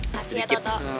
kasih ya toto